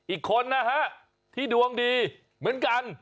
อีกคนนะฮะที่ดวงดีเหมือนกัน